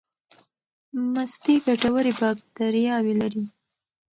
مستې ګټورې باکتریاوې لري.